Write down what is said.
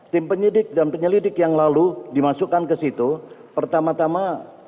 tim penyidik dan penyelidik yang lalu dimasukkan ke situ pertama tama